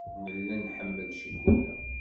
Nella nḥemmel ccikula.